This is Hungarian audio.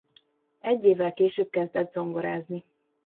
Egy évvel később kezdett zongorázni.